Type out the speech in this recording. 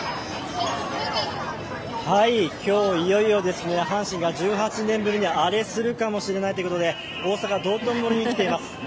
今日いよいよ阪神が１８年ぶりにアレするかもしれないということで、大阪・道頓堀に来ています。